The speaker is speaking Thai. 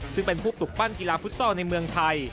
ซึ่งเป็นผู้ปลุกปั้นกีฬาฟุตซอลในเมืองไทย